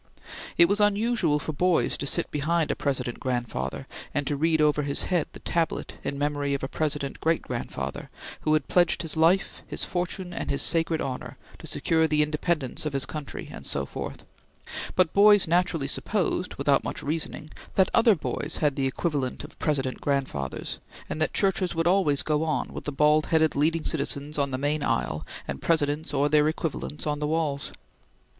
It was unusual for boys to sit behind a President grandfather, and to read over his head the tablet in memory of a President great grandfather, who had "pledged his life, his fortune, and his sacred honor" to secure the independence of his country and so forth; but boys naturally supposed, without much reasoning, that other boys had the equivalent of President grandfathers, and that churches would always go on, with the bald headed leading citizens on the main aisle, and Presidents or their equivalents on the walls.